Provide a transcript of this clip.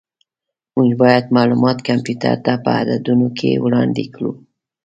موږ باید معلومات کمپیوټر ته په عددونو کې وړاندې کړو.